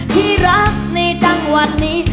ที่รักในจังหวัดนี้